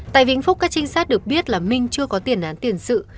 tại vĩnh phúc các trinh sát được biết là minh chưa có tiền án tiền sự